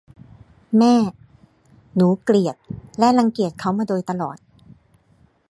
แม่ หนูเกลียดและรังเกียจเขามาโดยตลอด